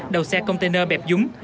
đầu xe container bẹp dúng